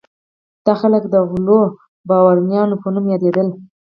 دا خلک د غلو بارونیانو په نوم یادېدل.